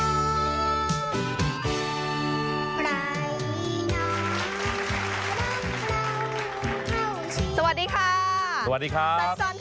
สอนสอนทั่วอาทิตย์